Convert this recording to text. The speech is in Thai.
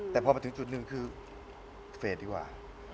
แต่พอมาถึงจุดหนึ่งคือเฟสดีกว่า